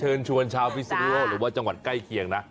เชิญชวนชาวฟิสโนโลหรูประจำหวัดใกล้เคียงล่ะ